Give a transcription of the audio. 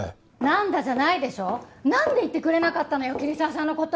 「なんだ？」じゃないでしょ！なんで言ってくれなかったのよ桐沢さんの事！